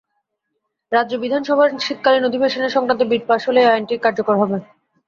রাজ্য বিধানসভার শীতকালীন অধিবেশনে এ-সংক্রান্ত বিল পাস হলেই আইনটি কার্যকর হবে।